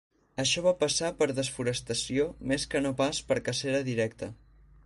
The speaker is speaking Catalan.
Això va passar per desforestació més que no pas per cacera directa.